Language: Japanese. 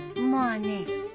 まあね。